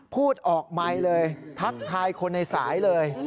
พูดออกไมค์เลยทักทายคนในสายเลย